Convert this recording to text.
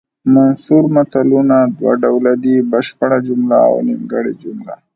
منثور متلونه دوه ډوله دي بشپړه جمله او نیمګړې جمله